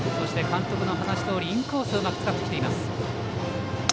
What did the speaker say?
監督の話どおりインコースをうまく使っています。